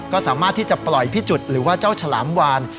ก็สามารถที่จะปล่อยพิจุดหรือว่าเจ้าฉลามวาน